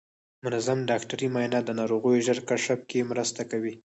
منظم ډاکټري معاینه د ناروغیو ژر کشف کې مرسته کوي.